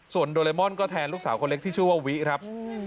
ส่วนโดเรมอนก็แทนลูกสาวคนเล็กที่ชื่อว่าวิครับ